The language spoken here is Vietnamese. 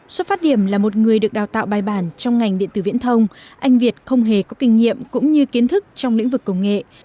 xuất phát điểm là một người được đào tạo bài bản trong ngành điện tử viễn thông anh việt không hề có kinh nghiệm cũng như kiến thức trong lĩnh vực công nghệ